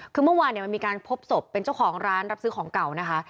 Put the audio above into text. คือเมื่อวานเนี่ยมันมีการพบศพเป็นเจ้าของร้านรับซื้อของเก่านะคะ